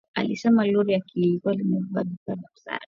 Alisema lori lilikuwa limebeba vifaa vya msaada